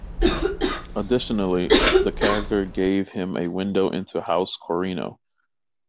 Additionally, the character gave him a window into House Corrino.